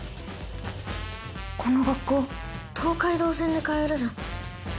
この学校東海道線で通えるじゃん。